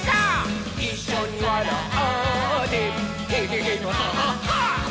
「いっしょにわらってヘヘヘのハハハ」